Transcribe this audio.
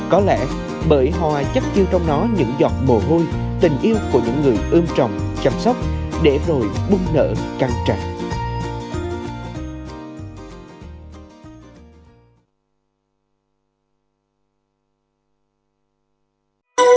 có lẽ bởi hoa chắc chiêu trong nó những giọt mồ hôi tình yêu của những người ươm trồng chăm sóc để rồi bung nở căng tràn